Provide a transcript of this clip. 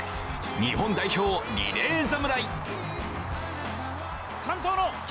日本代表、リレー侍。